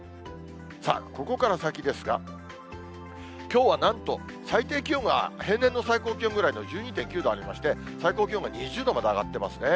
さあ、ここから先ですが、きょうはなんと、最低気温が、平年の最高気温ぐらいの１２．９度ありまして、最高気温が２０度まで上がっていますよね。